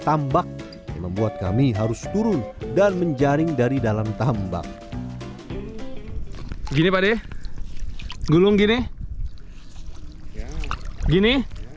tambak yang membuat kami harus turun dan menjaring dari dalam tambang gini pak deh gulung gini